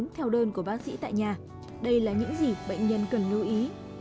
theo đơn của bác sĩ tại nhà đây là những gì bệnh nhân cần lưu ý